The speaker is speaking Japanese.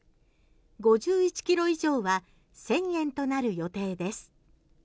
５１キロ以上は１０００円となる予定です。